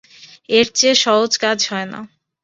এরচেয়ে সহজ কাজ হয় না।